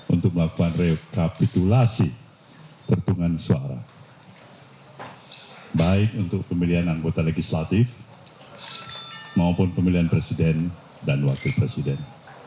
untuk melakukan rekapitulasi pertungan suara baik untuk pemilihan anggota legislatif maupun pemilihan presiden dan wakil presiden